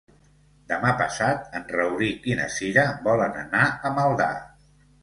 Demà passat en Rauric i na Cira volen anar a Maldà.